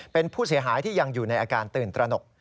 เป็นผู้เสียหายที่ยังอยู่ในอาการตื่นตระหนก